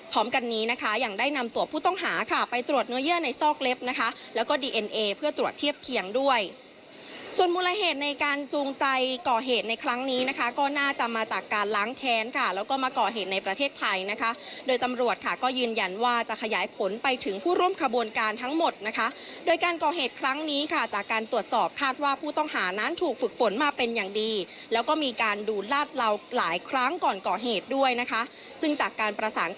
พร้อมกันนี้นะคะอย่างได้นำตัวผู้ต้องหาค่ะไปตรวจเนื้อเยื่อในซอกเล็บนะคะแล้วก็ดีเอ็นเอเพื่อตรวจเทียบเคียงด้วยส่วนมูลเหตุในการจูงใจก่อเหตุในครั้งนี้นะคะก็น่าจะมาจากการล้างแค้นค่ะแล้วก็มาก่อเหตุในประเทศไทยนะคะโดยตำรวจค่ะก็ยืนยันว่าจะขยายผลไปถึงผู้ร่วมขบวนการทั้งหมดนะคะโดยการก่อเหตุครั้